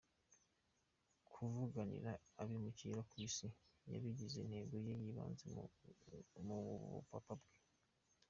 Kuvuganira abimukira ku isi yabigize intego ye y'ibanze mu bu papa bwe.